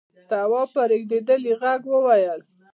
تواب په رېږديدلي غږ وويل: